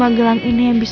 aku bisa berdoa sama dia